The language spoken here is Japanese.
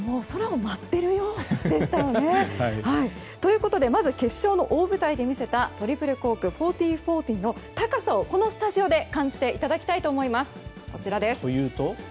空を舞っているようでしたよね。ということでまず決勝の大舞台で見せたトリプルコーク１４４０の高さをこのスタジオで感じていただきたいと思います。